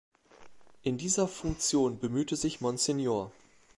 In dieser Funktion bemühte sich Msgr.